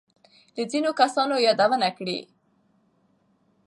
له ځینو کسانو يادونه کړې.